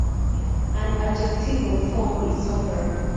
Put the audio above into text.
An adjectival form is "sophron".